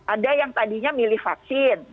ada yang tadinya milih vaksin